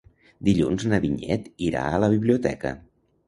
Dilluns na Vinyet irà a la biblioteca.